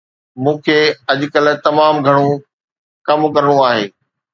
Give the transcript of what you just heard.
مون کي اڄڪلهه تمام گهڻو ڪم ڪرڻو آهي